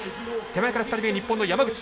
手前から２人目日本の山口。